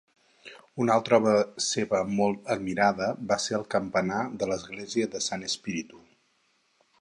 Una altra obra seva molt admirada va ser el campanar de l'església de Sant Spirito.